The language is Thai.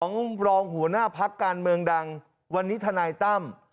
ของรองหัวหน้าพักการเมืองดังวันนี้ทนายตั้ม